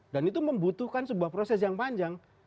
dan itu membutuhkan sebuah proses yang panjang